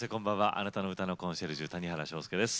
あなたの歌のコンシェルジュ谷原章介です。